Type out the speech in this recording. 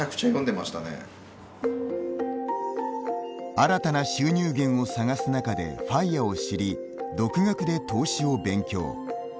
新たな収入源を探す中でＦＩＲＥを知り独学で投資を勉強。